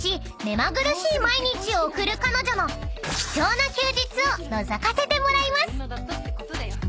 ［目まぐるしい毎日を送る彼女の貴重な休日をのぞかせてもらいます］